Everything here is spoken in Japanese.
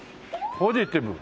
ポジティブ。